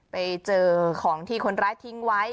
ไปเจอของที่คนร้ายทิ้งไว้